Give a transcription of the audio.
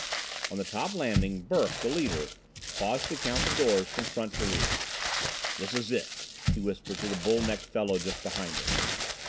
On the top landing Burke, the leader, paused to count the doors from front to rear. "This is it," he whispered to the bull necked fellow just behind him.